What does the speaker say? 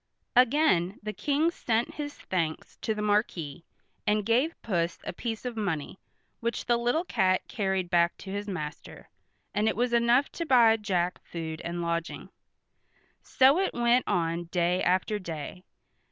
Again the King sent his thanks to the Marquis, and gave Puss a piece of money, which the little cat carried back to his master, and it was enough to buy Jack food and lodging. So it went on day after day.